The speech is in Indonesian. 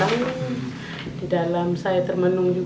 saya lagi duduk juga dia datang